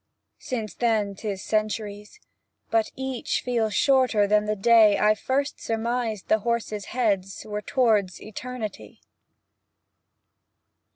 Since then 't is centuries; but each Feels shorter than the day I first surmised the horses' heads Were toward eternity.